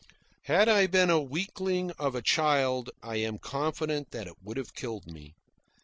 Had I been a weakling of a child, I am confident that it would have killed me.